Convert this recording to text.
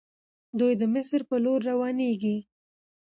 دوی د مصر په لور روانيږي.